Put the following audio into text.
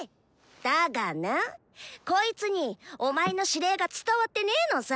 だがなこいつにお前の指令が伝わってねえのさ。